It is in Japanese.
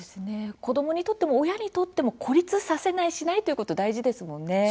子どもにとっても親にとっても、孤立させないしないというのが大事ですよね。